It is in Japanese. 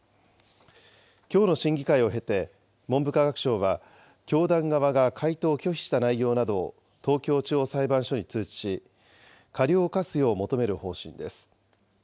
きょうの審議会を経て、文部科学省は、教団側が回答を拒否した内容などを東京地方裁判所に通知し、過料を科すよう求める方針です。